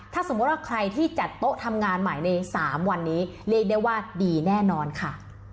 ถ้าสมมุติว่าใครที่จัดโต๊ะทำงานใหม่ใน๓วันนี้เรียกได้ว่าดีแน่นอนค่ะ